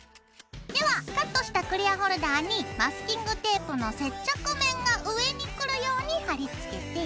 ではカットしたクリアホルダーにマスキングテープの接着面が上にくるように貼りつけて。